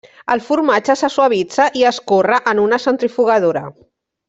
El formatge se suavitza i escorre en una centrifugadora.